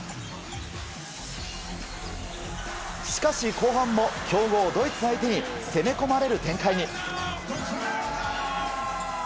しかし後半も、強豪、ドイツ相手に攻め込まれる展開に。